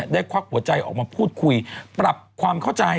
ควักหัวใจออกมาพูดคุยปรับความเข้าใจ